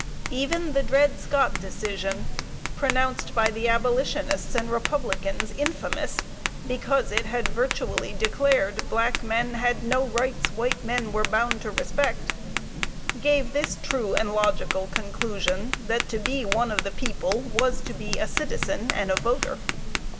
Even the "Dred Scott" decision, pronounced by the abolitionists and republicans infamous, because it virtually declared "black men had no rights white men were bound to respect," gave this true and logical conclusion, that to be one of the people was to be a citizen and a voter.